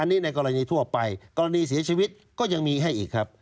อันนี้ในกรณีทั่วไปกรณีเสียชีวิตก็ยังมีให้อีกครับ